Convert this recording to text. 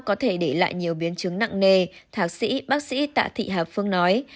có thể để lại nhiều biến chứng nặng nề thạc sĩ bác sĩ tạ thị hà phương nói